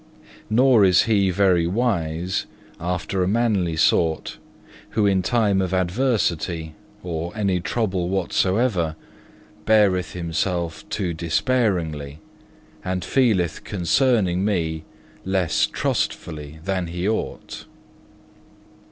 Nor is he very wise, after a manly sort, who in time of adversity, or any trouble whatsoever, beareth himself too despairingly, and feeleth concerning Me less trustfully than he ought.